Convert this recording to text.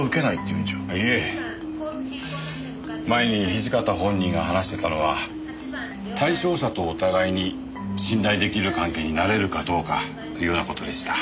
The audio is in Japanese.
前に土方本人が話してたのは対象者とお互いに信頼できる関係になれるかどうかというような事でした。